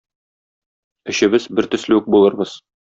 Өчебез бертөсле үк булырбыз.